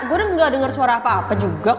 gue udah gak dengar suara apa apa juga kok